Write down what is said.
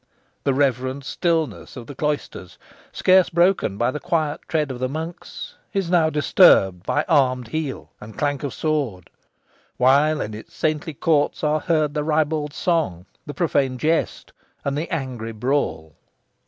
The reverend stillness of the cloisters, scarce broken by the quiet tread of the monks, is now disturbed by armed heel and clank of sword; while in its saintly courts are heard the ribald song, the profane jest, and the angry brawl.